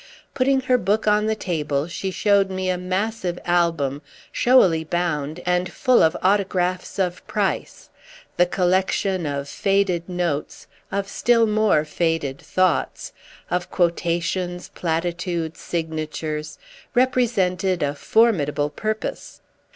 Putting her book on the table she showed me a massive album, showily bound and full of autographs of price. The collection of faded notes, of still more faded "thoughts," of quotations, platitudes, signatures, represented a formidable purpose.